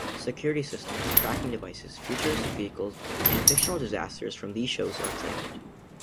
Security systems, tracking devices, futuristic vehicles and fictional disasters from these shows are examined.